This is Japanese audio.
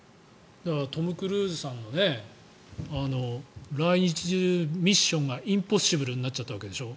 トム・クルーズさんの来日というミッションがインポッシブルになっちゃったわけでしょ。